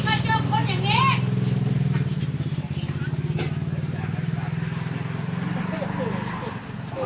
ไม่ยอมได้มันเป็นเรื่องใหญ่เรื่องตัว